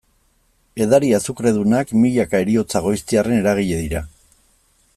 Edari azukredunak, milaka heriotza goiztiarren eragile dira.